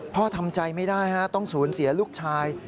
พ่อทำใจไม่ได้ต้องศูนย์เสียลูกชาย